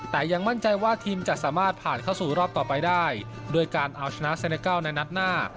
แต่ยังมั่นใจว่าทีมจะสามารถผ่านเข้าสู่รอบต่อไปได้ด้วยการเอาชนะเซเนเกิลในนัดหน้า